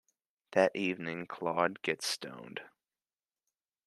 That evening, Claude gets stoned.